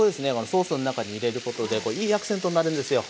ソースの中に入れることでいいアクセントになるんですよ。